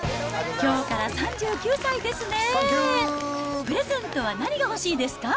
きょうから３９歳ですね。